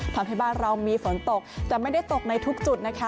ทำให้บ้านเรามีฝนตกแต่ไม่ได้ตกในทุกจุดนะคะ